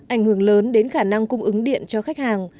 ảnh hưởng lớn đến khả năng cung ứng điện cho khách hàng